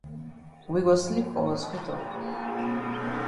We go sleep for hospital.